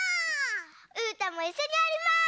うーたんもいっしょにやります！